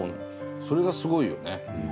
それがすごいよね。